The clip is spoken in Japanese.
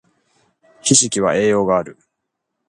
ひじきは栄養がある